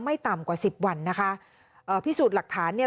ต่ำกว่าสิบวันนะคะเอ่อพิสูจน์หลักฐานเนี่ย